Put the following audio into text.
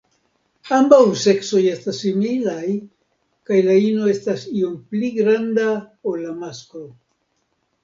Ambaŭ seksoj estas similaj, kaj la ino estas iom pli granda ol la masklo.